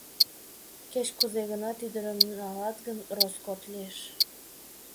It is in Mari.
Кеч кузе гынат, ӱдырым налат гын, роскот лиеш...